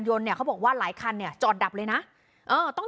เนี่ยเขาบอกว่าหลายคันเนี่ยจอดดับเลยนะเออต้อง